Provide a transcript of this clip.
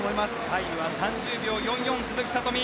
タイムは３０秒４４の鈴木聡美。